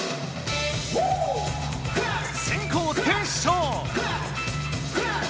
先こうテッショウ！